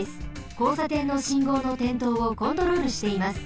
こうさてんの信号のてんとうをコントロールしています。